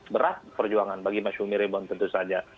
berat perjuangan bagi mas humi ribon tentu saja